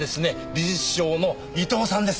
美術商の伊藤さんです。